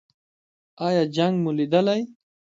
ایا جنګ مو لیدلی؟